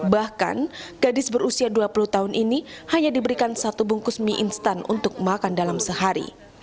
bahkan gadis berusia dua puluh tahun ini hanya diberikan satu bungkus mie instan untuk makan dalam sehari